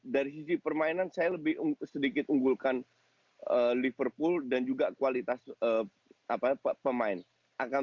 dari sisi permainan saya lebih sedikit unggulkan liverpool dan juga kualitas pemain